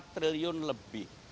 empat triliun lebih